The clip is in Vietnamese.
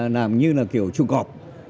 làm như kiểu trùng cọp